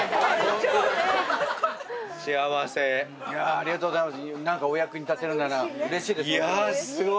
ありがとうございます。